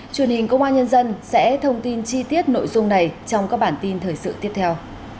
truyền hình công an nhân dân sẽ thông tin chi tiết nội dung này trong các bản tin thời sự tiếp theo